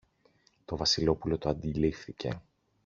Το Βασιλόπουλο το αντιλήφθηκε